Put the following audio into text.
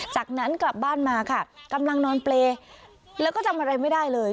จากนั้นกลับบ้านมาค่ะกำลังนอนเปรย์แล้วก็จำอะไรไม่ได้เลย